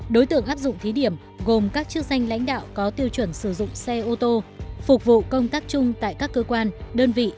đối tượng áp dụng thí điểm gồm các chức danh lãnh đạo có tiêu chuẩn sử dụng xe ô tô phục vụ công tác chung tại các cơ quan đơn vị